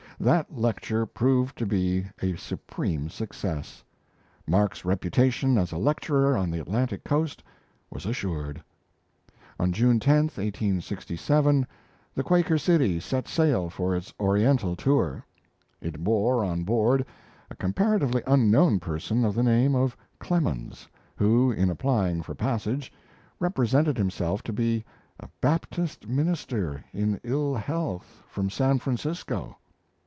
That lecture proved to be a supreme success Mark's reputation as a lecturer on the Atlantic coast was assured. On June 10, 1867, the Quaker City set sail for its Oriental tour. It bore on board a comparatively unknown person of the name of Clemens, who, in applying for passage, represented himself to be a Baptist minister in ill health from San Francisco!